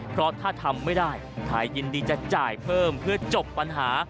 เพราะถ้าทำไม่ได้ไทยยินดีจะจ่ายเพิ่มเพื่อจบปัญหา